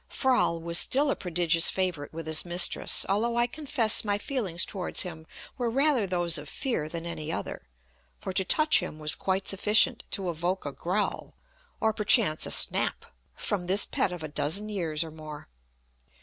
Froll was still a prodigious favourite with his mistress, although I confess my feelings towards him were rather those of fear than any other, for to touch him was quite sufficient to evoke a growl, or perchance a snap, from this pet of a dozen years or more.